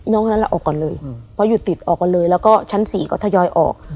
วันนั้นเราออกก่อนเลยเพราะอยู่ติดออกก่อนเลยแล้วก็ชั้น๔ก็ทยอยออก